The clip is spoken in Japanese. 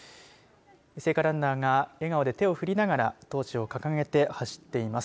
聖火ランナーが笑顔で手を振りながらトーチを掲げて走っています。